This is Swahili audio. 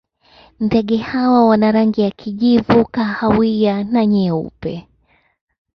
Ndege hawa wana rangi za kijivu, kahawa na nyeupe.